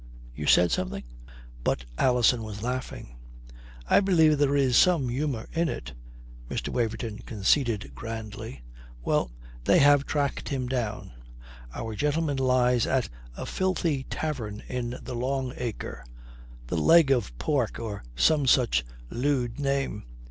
You said something?" But Alison was laughing. "I believe there is some humour in it," Mr. Waverton conceded grandly. "Well, they have tracked him down. Our gentleman lies at a filthy tavern in the Long Acre. The 'Leg of Pork,' or some such lewd name.